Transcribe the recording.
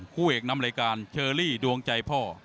คู่เอกนำรายการเชอรี่ดวงใจพ่อ